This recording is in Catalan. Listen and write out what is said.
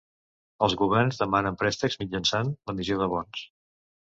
Els governs demanen préstecs mitjançant l'emissió de bons.